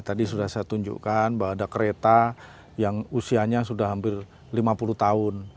tadi sudah saya tunjukkan bahwa ada kereta yang usianya sudah hampir lima puluh tahun